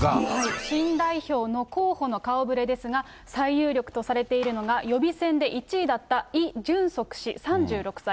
新代表の候補の顔ぶれですが、最有力とされているのが、予備選で１位だったイ・ジュンソク氏３６歳。